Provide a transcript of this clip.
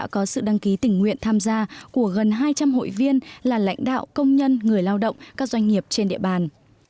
có sự đăng ký tình nguyện tham gia của gần hai trăm linh hội viên là lãnh đạo công nhân người lao động các doanh nghiệp trên địa bàn